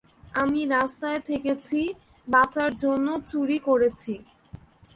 আমি রাস্তায় থেকেছি, বাচার জন্য চুরি করেছি।